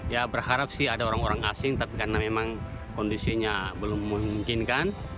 ya berharap sih ada orang orang asing tapi karena memang kondisinya belum memungkinkan